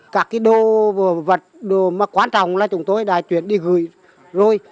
các cái đồ vật mà quan trọng là chúng tôi đã chuyển đi gửi rồi